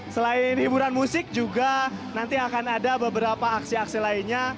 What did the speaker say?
selain hiburan musik juga nanti akan ada beberapa aksi aksi lainnya